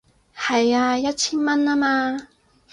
係啊，一千蚊吖嘛